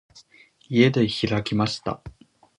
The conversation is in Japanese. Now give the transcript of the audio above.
家で開きました。